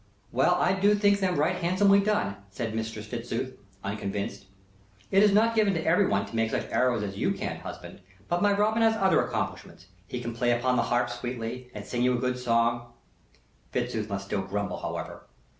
"Well, I do think them right handsomely done," said Mistress Fitzooth, unconvinced. "It is not given to everyone to make such arrows as you can, husband; but my Robin has other accomplishments. He can play upon the harp sweetly, and sing you a good song " Fitzooth must still grumble, however.